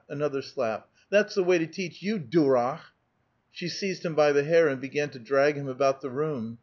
Another slap. ''That's the waj to teach you, durak !" She seized him by the hair and began to drag him about the room.